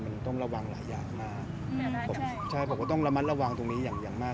มันต้องระวังหลายอย่างมากผมใช่ผมก็ต้องระมัดระวังตรงนี้อย่างอย่างมาก